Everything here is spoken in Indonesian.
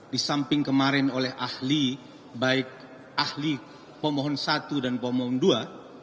di samping kemarin oleh ahli baik ahli pemohon satu dan pemohon dua